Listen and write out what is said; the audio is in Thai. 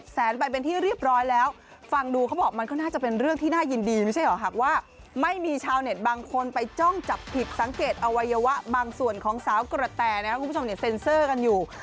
ส่วนของสาวกระแต่นะครับคุณผู้ชมเซ็นเซอร์กันอยู่